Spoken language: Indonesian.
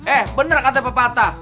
eh bener kata pepatah